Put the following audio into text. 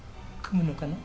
組むのかな？